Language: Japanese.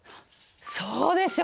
そうでしょう！